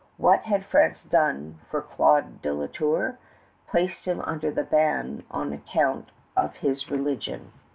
What had France done for Claude de La Tour? Placed him under the ban on account of his religion.